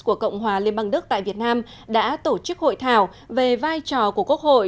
của cộng hòa liên bang đức tại việt nam đã tổ chức hội thảo về vai trò của quốc hội